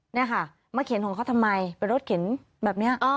นี่ค่ะมาเขียนของเขาทำไมเป็นรถเข็นแบบนี้